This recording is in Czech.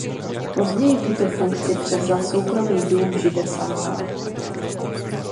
Později tuto funkci převzal soukromý dům Žida Samuela.